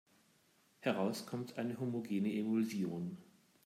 Heraus kommt eine homogene Emulsion.